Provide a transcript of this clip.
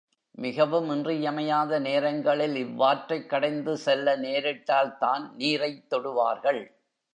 மிகவும் இன்றியமையாத நேரங்களில் இவ்வாற்றைக் கடந்து செல்ல நேரிட்டால்தான் நீரைத் தொடுவார்கள்.